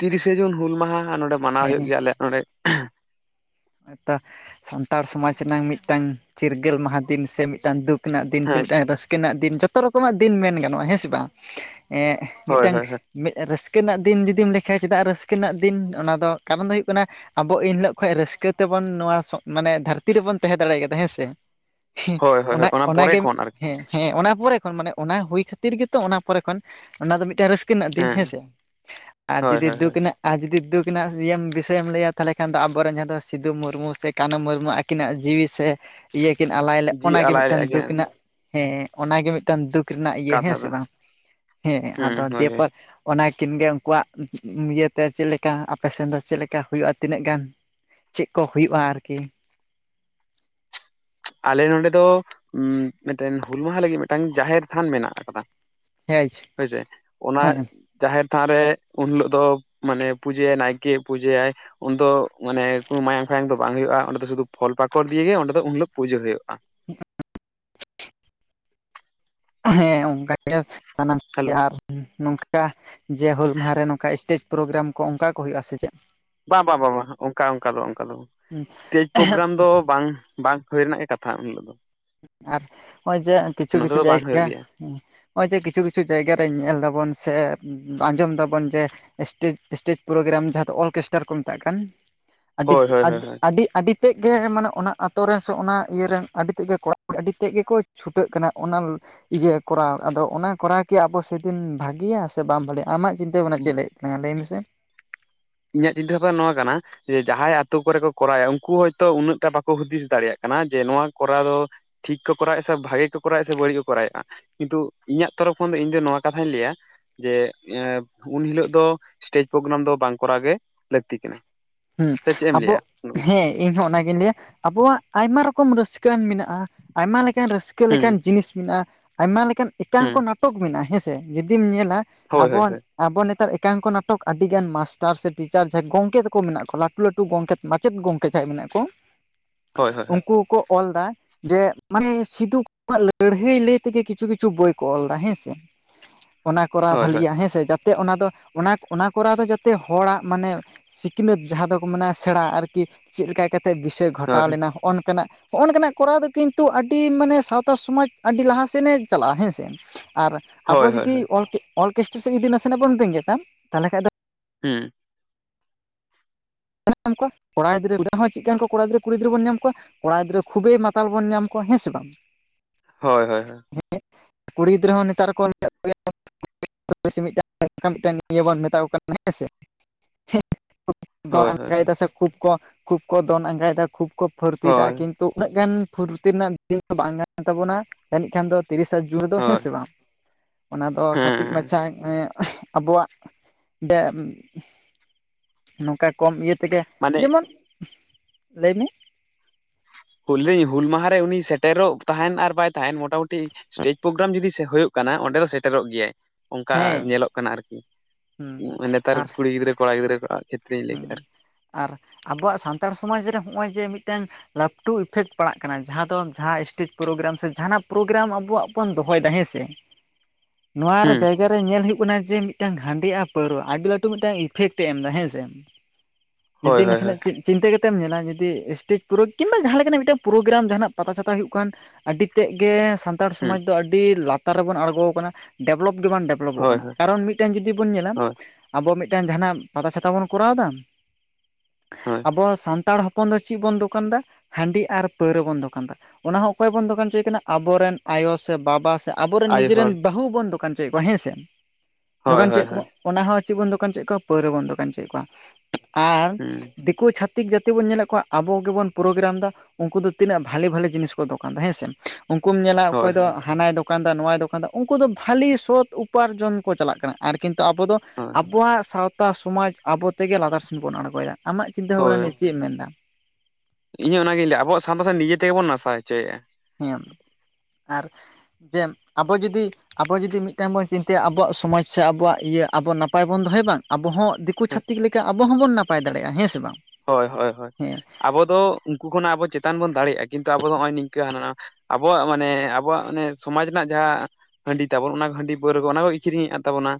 ᱛᱤᱨᱤᱥᱮ ᱡᱩᱱ ᱦᱩᱞ ᱢᱟᱦᱟ ᱱᱚᱰᱮ ᱢᱟᱱᱟᱣ ᱦᱮᱸ ᱦᱩᱭᱩᱜ ᱜᱮᱭᱟ ᱟᱞᱮᱭᱟᱜ ᱱᱚᱸᱰᱮ ᱱᱛᱚ ᱥᱟᱱᱛᱟᱲ ᱥᱚᱢᱟᱡᱽᱱᱟᱝ ᱢᱤᱫᱴᱟᱝ ᱪᱤᱨᱜᱟᱹᱞ ᱢᱟᱦᱟ ᱫᱤᱱ ᱥᱮ ᱢᱤᱫᱴᱟᱝ ᱫᱩᱠᱷ ᱩᱱᱠᱤᱱᱟᱜ ᱫᱤᱱ ᱥᱮ ᱦᱮᱸ ᱢᱤᱫᱴᱟᱝ ᱨᱟᱹᱥᱠᱟᱹ ᱨᱮᱱᱟᱜ ᱫᱤᱱ ᱡᱚᱛᱚ ᱨᱚᱠᱚᱢᱟᱜ ᱫᱤᱱ ᱢᱮᱱ ᱜᱟᱱᱚᱜᱼᱟ ᱦᱮᱸ ᱥᱮ ᱵᱟᱝ ᱮᱸᱜ ᱦᱳᱭ ᱢᱤᱫᱴᱟᱝ ᱦᱳᱭ ᱨᱟᱹᱥᱠᱟᱹ ᱨᱮᱱᱟᱜ ᱫᱤᱱ ᱡᱩᱫᱤᱢ ᱞᱮᱠᱷᱟᱭ ᱪᱮᱫᱟᱜ ᱨᱟᱹᱥᱠᱟᱹ ᱨᱮᱱᱟᱜ ᱫᱤᱱ ᱚᱱᱟ ᱫᱚ ᱠᱟᱨᱚᱱ ᱫᱚ ᱦᱩᱭᱩᱜ ᱠᱟᱱᱟ ᱟᱵᱚ ᱮᱱᱦᱤᱞᱳᱜ ᱠᱷᱚᱱ ᱨᱟᱹᱥᱠᱟᱹ ᱛᱮᱵᱚᱱ ᱱᱚᱣᱟ ᱢᱟᱱᱮ ᱫᱷᱟᱹᱨᱛᱤ ᱨᱮᱵᱚᱱ ᱛᱟᱦᱮᱸ ᱫᱟᱲᱮ ᱠᱟᱫᱟ ᱦᱮᱸ ᱥᱮ ᱦᱮᱸ ᱦᱳᱭ ᱦᱳᱭ ᱦᱳᱭ ᱚᱱᱟ ᱯᱚᱨᱮ ᱚᱱᱟᱜᱮ ᱠᱷᱚᱱ ᱟᱨᱠᱤ ᱦᱮᱸ ᱦᱮᱸ ᱚᱱᱟ ᱯᱚᱨᱮ ᱠᱷᱚᱱ ᱢᱟᱱᱮ ᱚᱱᱟ ᱦᱩᱭ ᱠᱷᱟᱹᱛᱤᱨ ᱜᱮᱛᱚ ᱚᱱᱟ ᱯᱚᱨᱮ ᱠᱷᱚᱱ ᱚᱱᱟ ᱫᱚ ᱢᱤᱫᱴᱟᱝ ᱨᱟᱹᱥᱠᱟᱹ [unintelligible] ᱨᱮᱱᱟᱜ ᱫᱤᱱ ᱦᱮᱸ ᱦᱮᱸᱥᱮ ᱟᱨ ᱦᱳᱭ ᱡᱩᱫᱤ ᱦᱳᱭ ᱦᱳᱭ ᱫᱩᱠᱷ ᱨᱮᱱᱟᱜ ᱟᱨ ᱡᱩᱫᱤ ᱫᱩᱠᱷ ᱨᱮᱱᱟᱜ ᱤᱭᱟᱹ ᱫᱤᱥᱟᱹᱭᱮᱢ ᱞᱟᱹᱭᱟ ᱛᱟᱦᱚᱞᱮ ᱠᱷᱟᱱ ᱫᱚ ᱟᱵᱚᱨᱮᱱ ᱡᱟᱦᱟᱸ ᱫᱚ ᱥᱤᱫᱷᱩ ᱢᱩᱨᱢᱩ ᱥᱮ ᱠᱟᱹᱱᱦᱩ ᱢᱩᱨᱢᱩ ᱟᱹᱠᱤᱱᱟᱜ ᱡᱤᱣᱤ ᱥᱮ ᱤᱭᱟᱹ ᱠᱤᱱ ᱟᱞᱟᱭ ᱞᱮᱫ ᱡᱤᱣᱤ ᱚᱱᱟᱜᱮ ᱟᱞᱟᱭ ᱢᱤᱫᱴᱟᱝ ᱞᱮᱜᱼᱟ ᱠᱤᱱ ᱫᱩᱠᱷ ᱟᱨᱠᱤ ᱨᱮᱱᱟᱜ ᱦᱮᱸ ᱚᱱᱟᱜᱮ ᱢᱤᱫᱴᱟᱝ ᱫᱩᱠᱷ ᱨᱮᱱᱟᱜ ᱤᱭᱟᱹ ᱠᱟᱛᱷᱟ ᱦᱮᱸ ᱥᱮ ᱫᱚ ᱵᱟᱝ ᱦᱮᱸ ᱦᱩᱸ ᱟᱫᱚ ᱦᱳᱭ ᱦᱳᱭ ᱫᱤᱭᱮᱯᱚᱨ ᱚᱱᱟᱠᱤᱱ ᱜᱮ ᱩᱱᱠᱩᱣᱟᱜ ᱤᱭᱟᱹᱛᱮ ᱪᱮᱫ ᱞᱮᱠᱟ ᱟᱯᱮᱥᱮᱱ ᱫᱚ ᱪᱮᱫ ᱞᱮᱠᱟ ᱦᱩᱭᱩᱜᱼᱟ ᱛᱤᱱᱟᱹᱜ ᱜᱟᱱ ᱪᱮᱫ ᱠᱚ ᱦᱩᱭᱩᱜᱼᱟ ᱟᱨᱠᱤ ᱟᱞᱮ ᱱᱚᱰᱮ ᱫᱚ ᱢᱤᱫᱴᱮᱱ ᱦᱩᱞ ᱢᱟᱸᱦᱟ ᱞᱟᱹᱜᱤᱫ ᱢᱤᱫᱴᱟᱝ ᱡᱟᱦᱮᱨ ᱛᱷᱟᱱ ᱢᱮᱱᱟᱜ ᱟᱠᱟᱫᱟ᱾ ᱦᱮᱸ ᱦᱳᱭᱥᱮ ᱚᱱᱟ ᱡᱟᱦᱮᱨ ᱛᱷᱟᱱ ᱨᱮ ᱩᱱ ᱦᱤᱞᱳᱜ ᱫᱚ ᱢᱟᱱᱮ ᱯᱩᱡᱟᱹᱭᱟᱭ ᱱᱟᱭᱠᱮ ᱯᱩᱡᱟᱹᱭᱟᱭ ᱩᱱᱫᱚ ᱢᱟᱱᱮ ᱠᱚᱫᱚ ᱢᱟᱭᱟᱝ‌ ᱫᱚ ᱵᱟᱝ ᱦᱚᱭᱚᱜ -ᱟ ᱚᱸᱰᱮ ᱥᱩᱫᱷᱩ ᱯᱷᱚᱞ ᱯᱟᱠᱚᱲ ᱫᱤᱭᱮ ᱜᱮ ᱚᱸᱰᱮ ᱫᱚ ᱩᱱ ᱦᱤᱞᱳᱜ ᱯᱩᱡᱟᱹ ᱦᱩᱭᱩᱜᱼᱟ᱾ ᱦᱮᱸ ᱚᱱᱠᱟ ᱜᱮ ᱥᱟᱱᱟᱢ ᱦᱮᱞᱳ ᱟᱨ ᱱᱚᱝᱠᱟ ᱡᱮ ᱦᱩᱞ ᱢᱟᱦᱟ ᱨᱮ ᱱᱚᱝᱠᱟ ᱮᱥᱴᱮᱡᱽ ᱯᱨᱳᱜᱨᱟᱢ ᱠᱚ ᱚᱱᱠᱟ ᱠᱚ ᱦᱩᱭᱩᱜᱼᱟ ᱥᱮ ᱪᱮᱫ ᱵᱟ ᱵᱟᱝ ᱵᱟ ᱵᱟ ᱚᱱᱠᱟ ᱚᱱᱠᱟ ᱫᱚ ᱚᱱᱠᱟ ᱫᱚ ᱥᱴᱮᱡᱽ ᱯᱨᱳᱜᱨᱟᱢ ᱫᱚ ᱵᱟᱝ ᱵᱟᱝᱼᱼ ᱦᱩᱭ ᱨᱮᱱᱟᱜ ᱜᱮ ᱠᱟᱛᱷᱟ ᱩᱱ ᱦᱤᱞᱳᱜ ᱫᱚ᱾ ᱟᱨ ᱦᱚᱜᱼᱚᱭ ᱡᱮ ᱠᱤᱪᱷᱩ ᱱᱚᱛᱮ ᱠᱤᱪᱷᱩ ᱫᱚ ᱵᱟᱝ ᱦᱩᱭᱩᱜ ᱡᱟᱭᱜᱟᱼᱼ ᱜᱮᱭᱟ ᱦᱮᱸ ᱦᱚᱜᱼᱚᱭ ᱡᱮ ᱠᱤᱪᱷᱩ ᱠᱤᱪᱷᱩ ᱡᱟᱭᱜᱟ ᱨᱮ ᱧᱮᱞ ᱫᱟᱵᱚᱱ ᱥᱮ ᱟᱸᱡᱚᱢ ᱫᱟᱵᱚᱱ ᱡᱮ ᱼᱼ ᱥᱴᱮᱡ ᱥᱴᱮᱡ ᱯᱨᱳᱜᱨᱟᱢ ᱡᱟᱦᱟᱸ ᱫᱚ ᱚᱨᱜᱮᱥᱴᱟᱨ ᱠᱚ ᱢᱮᱛᱟᱜ ᱠᱟᱱᱼᱼ ᱟᱹᱰᱤ ᱦᱳᱭ ᱦᱳᱭ ᱦᱳᱭ ᱦᱳᱭ ᱟᱹᱰᱤ ᱟᱹᱰᱤ ᱛᱮᱫ ᱜᱮ ᱢᱟᱱᱮ ᱚᱱᱟ ᱟᱛᱳ ᱨᱮᱱ ᱥᱮ ᱚᱱᱟ ᱤᱭᱟᱹ ᱨᱮᱱ ᱟᱹᱰᱤᱼᱼ ᱚᱱᱟᱛᱮ ᱠᱚᱲᱟ ᱠᱩᱲᱤ ᱟᱹᱰᱤ ᱛᱮᱫ ᱜᱮᱠᱚ ᱪᱷᱩᱴᱟᱹᱜ ᱠᱟᱱᱟ ᱚᱱᱟᱼᱼ ᱤᱭᱟᱹ ᱠᱚᱨᱟᱣ ᱟᱫᱚ ᱚᱱᱟ ᱠᱚᱨᱟᱣ ᱠᱤ ᱟᱵᱚ ᱥᱮᱫᱤᱱ ᱵᱷᱟᱜᱮᱭᱟ ᱥᱮ ᱵᱟᱝ ᱵᱷᱟᱞᱮᱭᱟ? ᱟᱢᱟᱜ ᱪᱤᱱᱛᱟᱹ ᱵᱷᱟᱵᱽᱱᱟ ᱪᱮᱫ ᱞᱟᱹᱭᱮᱫ ᱠᱟᱱᱟ ᱞᱟᱹᱭ ᱢᱮᱥᱮᱼᱼ ᱤᱧᱟᱹᱜ ᱪᱤᱱᱛᱟᱹ ᱵᱷᱟᱵᱽᱱᱟ ᱱᱤᱣᱟᱹ ᱠᱟᱱᱟ ᱼᱼ ᱡᱮ ᱡᱟᱦᱟᱸᱭ ᱟᱛᱳ ᱠᱚᱨᱮ ᱠᱚ ᱠᱚᱨᱟᱣᱟ ᱩᱱᱠᱩ ᱦᱚᱭᱛᱳ ᱩᱱᱟᱹᱜ ᱴᱟ ᱵᱟᱠᱚ ᱦᱩᱫᱤᱥ ᱫᱟᱲᱮᱭᱟᱜ ᱠᱟᱱᱟ ᱡᱮ ᱱᱚᱣᱟ ᱠᱚᱨᱟᱣ ᱫᱚ ᱼᱼ ᱴᱷᱤᱠ ᱠᱚ ᱠᱚᱨᱟᱣᱮᱜᱼᱟ ᱥᱮ ᱵᱷᱟᱜᱮ ᱠᱚᱨᱟᱣᱮᱜᱼᱟ ᱥᱮ ᱵᱟᱹᱲᱤᱡ ᱠᱚ ᱠᱚᱨᱟᱣᱮᱜᱼᱟ᱾ ᱠᱤᱱᱛᱩ ᱤᱧᱟᱜ ᱛᱚᱨᱚᱯᱷ ᱠᱷᱚᱱ ᱫᱚ ᱤᱧ ᱫᱚ ᱱᱚᱣᱟ ᱠᱟᱛᱷᱟᱧ ᱞᱟᱹᱭᱟᱼᱼ ᱡᱮ ᱮ ᱩᱱ ᱦᱤᱞᱳᱜ ᱫᱚ ᱥᱴᱮᱡᱽ ᱯᱨᱳᱜᱨᱟᱢ ᱫᱚ ᱵᱟᱝ ᱠᱚᱨᱟᱣ ᱜᱮ ᱞᱟᱹᱠᱛᱤ ᱠᱟᱱᱟ᱾ ᱦᱮᱸ ᱥᱮ ᱪᱮᱫ ᱮᱢ ᱟᱵᱚ ᱞᱟᱹᱭᱟ ᱜᱚᱝᱠᱮ ᱦᱮᱸᱼᱼ ᱤᱧ ᱦᱚ ᱚᱱᱟᱜᱤᱧ ᱞᱟᱹᱭᱟ ᱟᱵᱚᱣᱟᱜ ᱟᱭᱢᱟ ᱨᱚᱠᱚᱢ ᱨᱟᱹᱥᱠᱟᱹ ᱟᱱ ᱢᱮᱱᱟᱜᱼᱟ ᱟᱭᱢᱟ ᱞᱮᱠᱟᱱ ᱨᱟᱹᱥᱼᱼ ᱠᱟᱹ ᱦᱩᱸ ᱞᱮᱠᱟᱱ ᱡᱤᱱᱤᱥ ᱢᱮᱱᱟᱜᱼᱟ, ᱟᱭᱢᱟ ᱞᱮᱠᱟᱱ ᱦᱩᱸ ᱮᱠᱟᱝᱠᱚ ᱱᱟᱴᱚᱠ ᱢᱮᱱᱟᱜᱼᱟ ᱦᱮᱸᱥᱮ ᱡᱩᱫᱤᱢ ᱧᱮᱞᱟᱼᱼ ᱦᱳᱭ ᱦᱳᱭ ᱟᱵᱚᱣᱟᱱ ᱦᱳᱭ ᱟᱵᱚ ᱱᱮᱛᱟᱨ ᱮᱠᱟᱝᱠᱚ ᱱᱟᱴᱚᱠ ᱟᱹᱰᱤᱜᱟᱱ ᱢᱟᱥᱴᱟᱨ ᱥᱮ ᱴᱤᱪᱟᱨ ᱡᱟᱦᱟᱸᱭ ᱜᱚᱢᱠᱮ ᱫᱚᱼᱼ ᱠᱚ ᱢᱮᱱᱟᱜ ᱠᱚᱣᱟ ᱞᱟᱹᱴᱩ ᱞᱟᱹᱴᱩ ᱜᱚᱢᱠᱮ ᱢᱟᱪᱮᱫ ᱜᱚᱢᱠᱮ ᱡᱟᱦᱟᱭ ᱢᱮᱱᱟᱜ ᱠᱚᱼᱼ ᱦᱳᱭ ᱦᱳᱭ ᱩᱱᱠᱩ ᱠᱚ ᱚᱞ ᱮᱫᱟᱼᱼ ᱡᱮ ᱢᱟᱱᱮ ᱥᱤᱫᱷᱩ ᱠᱚᱭᱟᱜ ᱞᱟᱹᱲᱦᱟᱹᱭ ᱞᱟᱹᱭ ᱛᱮᱜᱮ ᱠᱤᱪᱷᱩ ᱠᱤᱪᱷᱩ ᱵᱳᱭ ᱠᱚ ᱚᱞ ᱮᱫᱟ ᱦᱮᱸᱥᱮ ᱼᱼ ᱚᱱᱟ ᱠᱚᱨᱟᱣ ᱦᱳᱭ ᱦᱳᱭ ᱵᱷᱟᱹᱞᱤᱭᱟ ᱦᱮᱸᱥᱮ ᱡᱟᱛᱮ ᱚᱱᱟ ᱫᱚ ᱚᱱᱟ ᱚᱱᱟ ᱠᱚᱨᱟᱣ ᱫᱚ ᱡᱟᱛᱮ ᱦᱚᱲᱟᱜ ᱢᱟᱱᱮᱼᱼ ᱥᱤᱠᱷᱱᱟᱹᱛ ᱡᱟᱦᱟᱸ ᱫᱚᱠᱚ ᱢᱮᱱᱟ ᱥᱮᱬᱟ ᱟᱨᱠᱤ ᱪᱮᱫ ᱞᱮᱠᱟ ᱠᱟᱛᱮᱫ ᱵᱤᱥᱚᱭ ᱦᱳᱭ ᱜᱷᱚᱴᱟᱣ ᱞᱮᱱᱟ ᱦᱚᱜᱼᱚ ᱱᱚᱝᱠᱟᱱᱟᱜᱼᱼ ᱦᱚᱜᱼᱚ ᱱᱚᱝᱠᱟᱱᱟᱜ ᱠᱚᱨᱟᱣ ᱫᱚ ᱠᱤᱱᱛᱩ ᱟᱹᱰᱤ ᱢᱟᱱᱮ ᱥᱟᱶᱛᱟ ᱥᱚᱢᱟᱡᱽ ᱟᱹᱰᱤ ᱞᱟᱦᱟ ᱥᱮᱱᱮ ᱪᱟᱞᱟᱜᱼᱟ ᱦᱮᱸᱥᱮ ᱟᱨ ᱟᱵᱚ ᱦᱳᱭ ᱦᱳᱭ ᱦᱳᱭ ᱡᱩᱫᱤ ᱚᱱᱠᱤ ᱚᱱᱠᱥᱴᱤᱥᱤ ᱱᱟᱥᱮᱱᱟᱜ ᱵᱚᱱ ᱵᱮᱸᱜᱮᱫᱟ ᱛᱟᱦᱚᱞᱮ ᱠᱷᱟᱡ ᱫᱚ ᱦᱩᱸ [unintelligible] ᱧᱟᱢ ᱠᱚᱣᱟ ᱠᱚᱲᱟ ᱜᱤᱫᱽᱨᱟᱹ ᱠᱚᱲᱟ ᱦᱚᱸ ᱪᱮᱫ ᱠᱟᱱ ᱠᱚᱲᱟ ᱜᱤᱫᱽᱨᱟᱹ ᱠᱩᱲᱤ ᱜᱤᱫᱽᱨᱟᱹ ᱵᱚᱱ ᱧᱟᱢ ᱠᱚᱣᱟ ᱠᱚᱲᱟ ᱜᱤᱫᱽᱨᱟᱹ ᱠᱷᱩᱵᱮᱭ ᱢᱟᱛᱟᱞ ᱵᱚᱱ ᱧᱟᱢ ᱠᱚᱣᱟ ᱦᱮᱸ ᱥᱮ ᱵᱟᱝ ᱦᱳᱭ ᱦᱳᱭ ᱦᱳᱭ [unintelligible] ᱠᱩᱲᱤ ᱜᱤᱫᱽᱨᱟᱹ ᱦᱚᱸ ᱱᱮᱛᱟᱨ ᱠᱚ [unintelligible] ᱢᱤᱫᱴᱟᱱ ᱤᱭᱟᱹ ᱵᱚᱱ ᱢᱮᱛᱟ ᱠᱚ ᱠᱟᱱᱟ ᱦᱮᱸ ᱥᱮ ᱫᱚᱱ ᱦᱳᱭ ᱦᱳᱭ ᱦᱳᱭ ᱦᱳᱭ ᱦᱳᱭ ᱟᱸᱜᱟᱭᱮᱫᱟ ᱥᱮ ᱠᱷᱩᱵ ᱠᱚ ᱠᱷᱩᱵ ᱠᱚ ᱫᱚᱱ ᱟᱸᱜᱟᱭᱮᱫᱟ ᱠᱷᱩᱵ ᱠᱚ ᱯᱷᱩᱨᱛᱤᱭᱮᱫᱟ ᱦᱳᱭ ᱠᱤᱱᱼᱼ ᱛᱚ ᱩᱱᱟᱹᱜ ᱜᱟᱱ ᱯᱷᱩᱨᱛᱤ ᱨᱮᱱᱟᱜ ᱫᱤᱱ ᱫᱚ ᱵᱟᱝ ᱠᱟᱱ ᱛᱟᱵᱚᱱᱟ ᱡᱟᱹᱱᱤᱡ ᱠᱷᱟᱱ ᱫᱚᱼᱼ ᱛᱤᱨᱤᱥᱟ ᱡᱩᱱ ᱨᱮᱫᱚ ᱦᱮᱸ ᱦᱳᱭ ᱥᱮ ᱵᱟᱝ ᱚᱱᱟ ᱫᱚ ᱦᱮᱸ ᱠᱟᱹᱴᱤᱡ ᱦᱮᱸ ᱢᱟᱪᱷᱟᱼᱼ ᱮᱸ ᱟᱵᱚᱣᱟᱜ ᱰᱮᱼᱼ ᱱᱚᱝᱠᱟ ᱠᱚᱢ ᱤᱭᱟᱹ ᱛᱮᱜᱮ ᱢᱟᱱᱮ ᱡᱮᱢᱚᱱ ᱞᱟᱹᱭ ᱢᱮᱼᱼ ᱠᱩ ᱞᱟᱹᱭ ᱦᱩᱞ ᱢᱟᱦᱟ ᱨᱮ ᱩᱱᱤ ᱥᱮᱴᱮᱨᱚᱜ ᱛᱟᱦᱮᱱ ᱟᱨ ᱵᱟᱭ ᱛᱟᱦᱮᱱ ᱢᱚᱴᱟᱢᱩᱴᱤᱼᱼ ᱮᱥᱴᱮᱡ ᱯᱨᱳᱜᱨᱟᱢ ᱡᱩᱫᱤ ᱥᱮ ᱦᱳᱭᱳᱜ ᱠᱟᱱᱟ ᱚᱸᱰᱮ ᱫᱚ ᱥᱮᱴᱮᱨᱚᱜ ᱜᱮᱭᱟᱭ᱾ ᱚᱱᱠᱟ ᱦᱮᱸ ᱧᱮᱞᱚᱜ ᱠᱟᱱᱟ ᱟᱨᱠᱤ ᱦᱩᱸ ᱱᱮᱛᱟᱨ ᱟᱨ ᱠᱩᱲᱤ ᱜᱤᱫᱽᱨᱟᱹ ᱠᱚᱲᱟ ᱜᱤᱫᱽᱨᱟᱹ ᱠᱚᱣᱟᱜ ᱠᱷᱮᱛᱨᱮ ᱤᱧ ᱞᱟᱹᱭ ᱦᱩᱸ ᱠᱮᱫᱼᱟ ᱟᱨᱼᱼ ᱟᱨ ᱟᱵᱚᱣᱟᱜ ᱥᱟᱱᱛᱟᱲ ᱥᱚᱢᱟᱡᱽ ᱨᱮ ᱦᱚᱸᱜᱼᱚᱭ ᱡᱮ ᱢᱤᱫᱴᱟᱝᱼᱼ ᱞᱟᱯᱴᱩ ᱤᱯᱷᱮᱠᱴ ᱯᱟᱲᱟᱜ ᱠᱟᱱᱟ ᱡᱟᱦᱟᱸ ᱫᱚ ᱡᱟᱦᱟᱸ ᱮᱥᱴᱮᱡᱽ ᱯᱨᱳᱜᱨᱟᱢ ᱥᱮ ᱡᱟᱦᱟᱱᱟᱜ ᱯᱨᱳᱜᱨᱟᱢ ᱟᱵᱚᱣᱟᱜᱼᱼ ᱵᱚᱱ ᱫᱚᱦᱚᱭᱮᱫᱟ ᱦᱮᱸ ᱥᱮᱼᱼ ᱱᱚᱣᱟ ᱨᱮ ᱦᱩᱸ ᱡᱟᱭᱜᱟ ᱨᱮ ᱧᱮᱞ ᱦᱳᱭᱳᱜ ᱠᱟᱱᱟ ᱡᱮ ᱢᱤᱫᱴᱟᱝ ᱦᱟᱺᱰᱤ ᱟᱨ ᱯᱟᱹᱨᱣᱟᱹ ᱟᱹᱰᱤ ᱞᱟᱹᱴᱩ ᱢᱤᱫᱴᱟᱝ ᱤᱯᱷᱮᱠᱴ ᱮ ᱮᱢ ᱮᱫᱟ ᱦᱮᱸᱥᱮ ᱦᱳᱭ ᱡᱩᱫᱤ ᱦᱳᱭ ᱱᱟᱥᱮᱱᱟᱜ ᱦᱳᱭ ᱪᱤᱫᱼᱼ ᱪᱤᱱᱛᱟᱹ ᱠᱟᱛᱮᱢ ᱧᱮᱞᱟ ᱡᱩᱫᱤ ᱮᱥᱴᱮᱡᱽ ᱯᱨᱳ ᱠᱤᱝᱵᱟ ᱡᱟᱦᱟᱸ ᱞᱮᱠᱟᱱᱟᱜ ᱢᱤᱫᱴᱟᱝ ᱯᱨᱳᱜᱨᱟᱢ ᱡᱟᱦᱟᱱᱟᱜ ᱯᱟᱛᱟ ᱪᱷᱟᱛᱟ ᱦᱩᱭᱩᱜ ᱠᱟᱱᱼᱼ ᱟᱹᱰᱤ ᱛᱮᱫ ᱜᱮ ᱥᱟᱱᱛᱟᱲ ᱦᱩᱸ ᱥᱚᱢᱟᱡᱽ ᱫᱚ ᱟᱹᱰᱤ ᱞᱟᱛᱟᱨ ᱨᱮᱵᱚᱱ ᱟᱬᱜᱳ ᱠᱟᱱᱟ ᱰᱮᱵᱷᱞᱚᱯ ᱜᱮᱵᱟᱝ ᱰᱮᱵᱷᱼᱼ ᱞᱚᱵᱚᱜ ᱦᱳᱭ ᱠᱟᱱᱟ ᱦᱳᱭ ᱠᱟᱨᱚᱱ ᱢᱤᱫᱴᱮᱱ ᱡᱩᱫᱤ ᱵᱚᱱ ᱧᱮᱞᱟ ᱦᱳᱭ ᱟᱵᱚ ᱢᱤᱫᱴᱟᱝ ᱡᱟᱦᱱᱟᱜ ᱯᱟᱛᱟ ᱪᱷᱟᱛᱟ ᱵᱚᱱᱼᱼ ᱠᱚᱨᱟᱣ ᱫᱟᱼᱼ ᱦᱳᱭ ᱟᱵᱚ ᱥᱟᱱᱛᱟᱲ ᱦᱚᱯᱚᱱ ᱫᱚ ᱪᱮᱫ ᱵᱚᱱ ᱫᱚᱠᱟᱱ ᱫᱟ ᱦᱟᱺᱰᱤ ᱟᱨ ᱯᱟᱹᱣᱨᱟᱹ ᱵᱚᱱ ᱫᱚᱠᱟᱱᱫᱟ ᱚᱱᱟ ᱦᱚᱸ ᱚᱠᱚᱭ ᱵᱚᱱ ᱫᱚᱠᱟᱱ ᱦᱚᱪᱚᱭᱮ ᱠᱟᱱᱟ ᱟᱵᱚᱨᱮᱱ ᱟᱭᱳ ᱥᱮ ᱵᱟᱵᱟ ᱥᱮ ᱟᱵᱚᱨᱮᱱ ᱟᱭᱳ ᱦᱚᱲ ᱱᱤᱡᱮᱨᱮᱱ ᱵᱟᱹᱦᱩ ᱦᱚᱵᱚᱱ ᱫᱚᱠᱟᱱ ᱚᱪᱚᱭᱮᱫ ᱠᱚᱣᱟ ᱦᱮᱸᱥᱮ ᱦᱳᱭ ᱫᱚᱠᱟᱱ ᱦᱳᱭ ᱚᱪᱚᱭᱮᱜ ᱠᱚᱣᱟ ᱦᱳᱭ ᱵᱚ ᱚᱱᱟ ᱦᱚᱸ ᱪᱮᱫ ᱵᱚᱱ ᱫᱚᱠᱟᱱ ᱪᱚᱭᱮᱫ ᱠᱚᱣᱟ ᱯᱟᱹᱣᱨᱟᱹ ᱵᱚᱱ ᱫᱚᱠᱟᱱ ᱚᱪᱚᱭᱮᱫ ᱠᱚᱣᱟ ᱟᱨ ᱦᱩᱸ ᱩᱱᱠᱩ ᱪᱷᱟᱛᱤᱠ ᱡᱟᱹᱛᱤ ᱵᱚᱱ ᱧᱮᱞᱮᱫ ᱠᱚᱣᱟ ᱟᱵᱚ ᱜᱮᱵᱚᱱ ᱯᱨᱳᱜᱨᱟᱢ ᱫᱟ ᱩᱱᱠᱩ ᱫᱚ ᱛᱤᱱᱟᱹᱜ ᱵᱷᱟᱞᱮ ᱵᱷᱟᱞᱮ ᱡᱤᱱᱤᱥ ᱠᱚ ᱫᱚᱠᱟᱱ ᱦᱮᱸᱥᱮ ᱩᱱᱠᱩᱢ ᱧᱮᱞᱟ ᱦᱳᱭ ᱚᱠᱚᱭ ᱫᱚ ᱦᱳᱭ ᱦᱟᱱᱟᱭ ᱫᱚᱠᱟᱱ ᱫᱚᱠᱟᱱ ᱫᱟ ᱱᱚᱣᱟᱭ ᱫᱚᱠᱟᱱ ᱫᱟ ᱩᱱᱠᱩ ᱫᱚ ᱵᱷᱟᱞᱤ ᱥᱚᱛ ᱩᱯᱟᱨᱡᱚᱱ ᱠᱚ ᱪᱟᱞᱟᱜ ᱠᱟᱱᱟ ᱟᱨ ᱠᱤᱱᱛᱩ ᱟᱵᱚ ᱫᱚ ᱦᱳᱭ ᱟᱵᱚᱣᱟᱜ ᱥᱟᱶᱛᱟ ᱥᱚᱢᱟᱡᱽ ᱟᱵᱚ ᱛᱮᱜᱮ ᱞᱟᱛᱟᱨ ᱥᱮᱱ ᱵᱚᱱ ᱟᱸᱬᱜᱚᱭᱫᱟ ᱟᱢᱟᱜ ᱪᱤᱱᱛᱟᱹ ᱵᱷᱟᱵᱱᱟ ᱦᱳᱭ ᱱᱤᱭᱟᱹ ᱪᱮᱜ ᱮᱢ ᱢᱮᱱᱫᱟ ᱟᱢ ᱤᱧ ᱦᱚ ᱚᱱᱟ ᱜᱮᱧ ᱞᱟᱹᱭᱮᱜᱼᱟ ᱟᱵᱚᱣᱟᱜ ᱥᱟᱶᱛᱟ ᱥᱚᱢᱟᱡᱽ ᱱᱤᱡᱮ ᱛᱮᱜᱵᱚᱱ ᱱᱟᱥᱟ ᱦᱚᱪᱚᱭᱮᱜᱼᱟ᱾ ᱦᱮᱸ ᱟᱨ ᱡᱮ ᱟᱵᱚ ᱡᱩᱫᱤ ᱟᱵᱚ ᱡᱩᱫᱤ ᱢᱤᱫᱴᱟᱝ ᱵᱚᱱ ᱪᱤᱱᱛᱟᱹᱭᱟ ᱟᱵᱚᱣᱟᱜ ᱥᱚᱢᱟᱡᱽ ᱥᱮ ᱟᱵᱚᱣᱟᱜ ᱤᱭᱟᱹ ᱟᱵᱚ ᱱᱟᱯᱟᱭ ᱵᱚᱱ ᱫᱚᱦᱚᱭᱟ ᱵᱟᱝ ᱟᱵᱚ ᱦᱚᱸ ᱫᱤᱠᱩ ᱪᱷᱟᱛᱤᱠ ᱞᱮᱠᱟ ᱟᱵᱚ ᱦᱚᱸᱵᱚᱱ ᱱᱟᱯᱟᱭ ᱫᱟᱲᱮᱜᱼᱟ ᱦᱮᱸ ᱥᱮ ᱵᱟᱝ ᱦᱚᱭ ᱦᱚᱭ ᱦᱚᱭ ᱦᱮᱸ ᱟᱵᱚ ᱫᱚ ᱩᱱᱠᱩ ᱠᱷᱚᱱᱟᱜ ᱟᱵᱚ ᱪᱮᱛᱟᱱ ᱵᱚᱱ ᱫᱟᱲᱮᱭᱟᱜᱼᱟ ᱠᱤᱱᱛᱩ ᱟᱵᱚ ᱫᱚ ᱱᱚᱜᱼᱚᱭ ᱱᱤᱝᱠᱟᱹ ᱦᱟᱱᱟ ᱟᱵᱚᱣᱟᱜ ᱢᱟᱱᱮ ᱟᱵᱚᱣᱟᱜ ᱚᱱᱮ ᱥᱚᱢᱟᱡᱽ ᱨᱮᱱᱟᱜ ᱡᱟᱦᱟᱸ ᱦᱟᱺᱰᱤ ᱛᱟᱵᱚᱱ ᱚᱱᱟ ᱦᱟᱺᱰᱤ ᱯᱟᱹᱣᱨᱟᱹ ᱠᱚ ᱚᱱᱟ ᱠᱚ ᱟᱹᱠᱷᱨᱤᱧᱮᱫ ᱛᱟᱵᱚᱱᱟ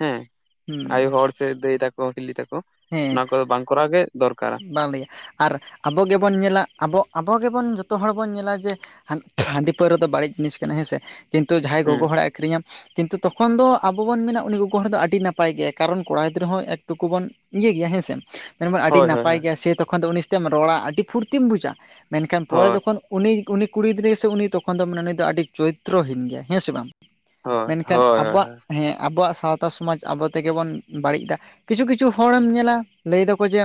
ᱦᱮᱸ ᱦᱩᱸ ᱟᱭᱳ ᱦᱚᱲ ᱥᱮ ᱫᱟᱹᱭ ᱛᱟᱠᱚ ᱦᱤᱞᱤ ᱛᱟᱠᱚ ᱦᱮᱸ ᱚᱱᱟ ᱠᱚᱫᱚ ᱵᱟᱝ ᱠᱚᱨᱟᱣ ᱜᱮ ᱫᱚᱨᱠᱟᱨᱟ᱾ ᱵᱟᱝ ᱞᱟᱹᱭᱟ ᱟᱨ ᱟᱵᱚ ᱜᱮᱵᱚᱱ ᱧᱮᱞᱟ ᱟᱵᱚ ᱟᱵᱚᱜᱮᱵᱚᱱ ᱡᱚᱛᱚ ᱦᱚᱲ ᱵᱚᱱ ᱧᱮᱞᱟ ᱡᱮ ᱦᱟᱺᱰᱤ ᱯᱟᱹᱣᱨᱟᱹ ᱫᱚ ᱵᱟᱹᱲᱤᱡ ᱡᱤᱱᱤᱥ ᱠᱟᱱᱟ ᱦᱮᱸᱥᱮ ᱠᱤᱱᱛᱩ ᱡᱟᱦᱟᱸᱭ ᱜᱳᱜᱳ ᱦᱩᱸ ᱦᱚᱲᱮ ᱟᱹᱷᱨᱤᱧᱟ ᱠᱤᱱᱛᱩ ᱛᱚᱠᱷᱚᱱ ᱫᱚ ᱟᱵᱚ ᱵᱚᱱ ᱢᱮᱱᱟ ᱩᱱᱤ ᱜᱳᱜᱳ ᱦᱚᱲ ᱫᱚ ᱟᱹᱰᱤ ᱱᱟᱯᱟᱭ ᱜᱮᱭᱟ ᱠᱟᱨᱚᱱ ᱠᱚᱲᱟ ᱜᱤᱫᱽᱨᱟᱹ ᱦᱚᱸ ᱮᱠᱴᱩᱠᱩ ᱵᱚᱱ ᱤᱭᱟᱹ ᱜᱮᱭᱟ ᱦᱮᱸᱥᱮ ᱢᱮᱱᱟᱵᱟᱱ ᱟᱹᱰᱤ ᱦᱳᱭ ᱦᱳᱭ ᱱᱟᱯᱟᱭ ᱜᱮᱭᱟ ᱥᱮ ᱛᱚᱠᱷᱚᱱ ᱫᱚ ᱩᱱᱤ ᱥᱟᱛᱮᱢ ᱨᱚᱲᱟ ᱟᱹᱰᱤ ᱯᱷᱩᱨᱛᱤᱢ ᱵᱩᱡᱟ ᱢᱮᱱᱠᱷᱟᱱ ᱯᱚᱨᱮ ᱦᱳᱭ ᱡᱚᱠᱷᱚᱱ ᱩᱱᱤ ᱩᱱᱤ ᱠᱩᱲᱤ ᱜᱤᱫᱽᱨᱟᱹ ᱥᱮ ᱩᱱᱤ ᱛᱚᱠᱷᱚᱱ ᱫᱚ ᱢᱟᱱᱮ ᱩᱱᱤ ᱫᱚ ᱟᱹᱰᱤ ᱪᱚᱨᱤᱛᱨᱚᱦᱤᱱ ᱜᱮᱭᱟᱭ ᱦᱮᱸ ᱥᱮ ᱵᱟᱝ ᱦᱳᱭ ᱢᱮᱱᱠᱷᱟᱱ ᱦᱳᱭ ᱟᱵᱚᱣᱟᱜ ᱦᱮᱸ ᱟᱵᱚᱣᱟᱜ ᱥᱟᱶᱛᱟ ᱛᱟ ᱥᱚᱢᱟᱡᱽ ᱟᱵᱚ ᱛᱮᱜᱮ ᱵᱚᱱ ᱵᱟᱹᱲᱤᱡ ᱮᱫᱟ ᱠᱤᱪᱷᱩ ᱠᱤᱪᱷᱩ ᱦᱚᱲᱮᱢ ᱧᱮᱞᱟ ᱞᱟᱹᱭ ᱫᱟᱠᱚ ᱡᱮ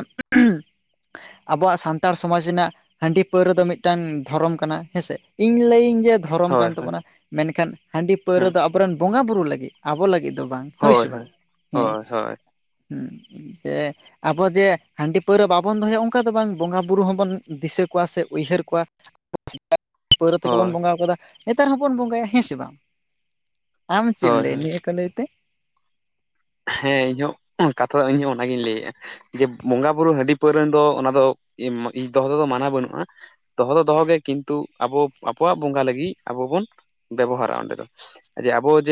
ᱟᱵᱚᱣᱟᱜ ᱥᱟᱱᱛᱟᱲ ᱥᱚᱢᱟᱡᱽ ᱨᱮᱱᱟᱜ ᱦᱟᱺᱰᱤ ᱯᱟᱹᱣᱨᱟᱹ ᱫᱚ ᱢᱤᱫᱴᱟᱝ ᱫᱷᱚᱨᱚᱢ ᱠᱟᱱᱟ ᱦᱮᱸᱥᱮ ᱤᱧ ᱞᱟᱹᱭ ᱟᱹᱧ ᱡᱮ ᱫᱷᱚᱨᱚᱢ ᱦᱳᱭ ᱠᱟᱱ ᱦᱳᱭ ᱛᱟᱵᱚᱱᱟ ᱢᱮᱱᱠᱷᱟᱱ ᱦᱟᱺᱰᱤ ᱯᱟᱹᱣᱨᱟᱹ ᱦᱳᱭ ᱫᱚ ᱟᱵᱚᱨᱮᱱ ᱵᱚᱸᱜᱟ ᱵᱩᱨᱩ ᱞᱟᱹᱜᱤᱫ᱾ ᱟᱵᱚ ᱞᱟᱹᱜᱤᱫ ᱫᱚ ᱵᱟᱝ ᱦᱳᱭ ᱥᱮ ᱵᱟᱝ ᱦᱮᱸ ᱦᱳᱭ ᱦᱳᱭ ᱡᱮ ᱟᱵᱚ ᱡᱮ ᱦᱟᱺᱰᱤ ᱯᱟᱹᱣᱨᱟᱹ ᱵᱟᱵᱚᱱ ᱫᱚᱦᱚᱭᱟ ᱚᱱᱠᱟ ᱫᱚ ᱵᱟᱝ ᱵᱚᱸᱜᱟᱼᱵᱩᱨᱩ ᱦᱚᱸᱵᱚᱱ ᱫᱤᱥᱟᱹ ᱠᱚᱣᱟ ᱥᱮ ᱩᱭᱦᱟᱹᱨ ᱠᱚᱣᱟ [unintelligible] ᱯᱟᱹᱣᱨᱟᱹ ᱛᱮᱜᱮ ᱵᱚᱱ ᱦᱳᱭ ᱵᱚᱸᱜᱟ ᱠᱟᱫᱟ ᱱᱮᱛᱟᱨ ᱦᱚᱸᱵᱚᱱ ᱵᱚᱸᱜᱟᱭᱟ ᱦᱮᱸ ᱥᱮ ᱵᱟᱝ ᱟᱢ ᱪᱮ ᱮᱢ ᱦᱳᱭ ᱞᱟᱹᱭ-ᱟ ᱦᱳᱭ ᱱᱤᱭᱟᱹ ᱠᱚ ᱞᱟᱹᱭ ᱛᱮ ᱦᱮᱸ ᱤᱧ ᱦᱚᱸᱚᱱᱟᱛᱚ ᱫᱚ ᱤᱧ ᱦᱚᱸ ᱚᱱᱟᱜᱤᱧ ᱞᱟᱹᱭᱮᱜᱼᱟ ᱡᱮ ᱵᱚᱸᱜᱟ ᱵᱩᱨᱩ ᱦᱟᱺᱰᱤ ᱯᱟᱹᱣᱨᱟᱹ ᱨᱮᱱ ᱫᱚ ᱚᱱᱟ ᱫᱚ ᱫᱚᱦᱚ ᱛᱮᱫᱚ ᱢᱟᱱᱟᱣ ᱵᱟᱹᱱᱩᱜᱼᱟ ᱫᱚᱦᱚ ᱫᱚ ᱫᱚᱦᱚ ᱜᱮ ᱠᱤᱱᱛᱩ ᱟᱵᱚ ᱟᱵᱚᱣᱟᱜ ᱵᱚᱸᱜᱟ ᱞᱟᱹᱜᱤᱫ ᱟᱵᱚ ᱵᱚᱱ ᱵᱮᱵᱚᱦᱟᱨ-ᱟ ᱚᱸᱰᱮ ᱫᱚ ᱡᱮ ᱟᱵᱚ ᱡᱮ